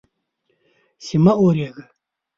چې مه اوریږه